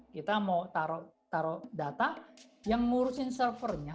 kita mau taruh data yang ngurusin servernya